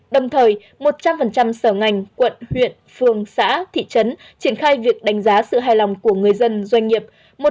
đồng thời một trăm linh sở ngành quận huyện phường xã thị trấn triển khai việc đánh giá sự hài lòng của người dân doanh nghiệp